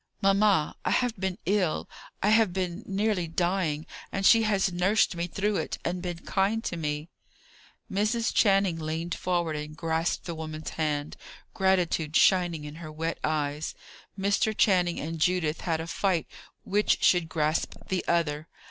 "Mamma, I have been ill; I have been nearly dying; and she has nursed me through it, and been kind to me." Mrs. Channing leaned forward and grasped the woman's hand, gratitude shining in her wet eyes. Mr. Channing and Judith had a fight which should grasp the other.